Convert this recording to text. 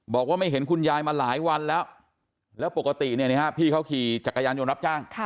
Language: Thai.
บอกว่าไม่เห็นคุณยายมาหลายวันแล้วแล้วปกติพี่เขาขี่จักรยานยนต์รับจ้าง